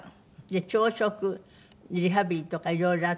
朝食リハビリとかいろいろあって。